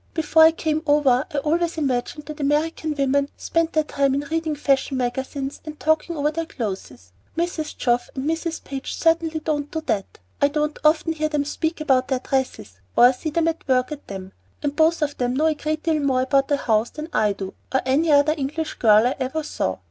Before I came over I always imagined that American women spent their time in reading fashion magazines and talking over their clothes. Mrs. Geoff and Mrs. Page certainly don't do that. I don't often hear them speak about dresses, or see them at work at them; and both of them know a great deal more about a house than I do, or any other English girl I ever saw.